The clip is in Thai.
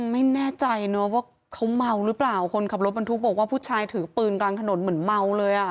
ไม่แน่ใจเนอะว่าเขาเมาหรือเปล่าคนขับรถบรรทุกบอกว่าผู้ชายถือปืนกลางถนนเหมือนเมาเลยอ่ะ